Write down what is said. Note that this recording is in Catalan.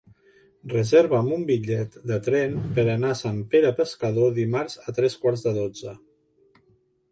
Reserva'm un bitllet de tren per anar a Sant Pere Pescador dimarts a tres quarts de dotze.